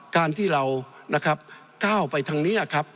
การที่เราก้าวไปทางนี้ครับ